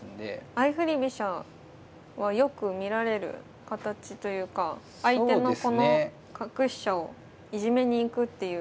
相振り飛車はよく見られる形というか相手のこの角飛車をいじめに行くっていう。